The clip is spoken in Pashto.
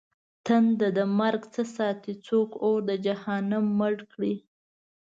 تنده د مرگ څه ساتې؟! څوک اور د جهنم مړ کړي؟!